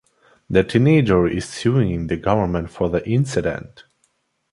The teenager is suing the government for the incident.